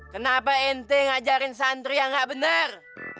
kenapa ente ngajarin santri yang gak bener